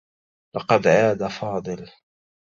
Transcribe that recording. لقد عاد فاضل.